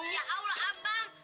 ya allah abang